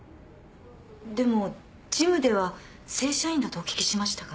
でもジムでは正社員だとお聞きしましたが。